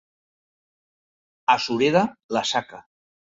A Sureda, la saca.